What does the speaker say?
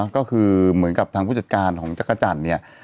ก็คือเหมือนกับทางผู้จัดการของจักรจันทร์เนี่ย